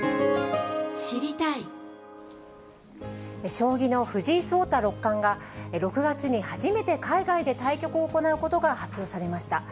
将棋の藤井聡太六冠が、６月に初めて海外で対局を行うことが発表されました。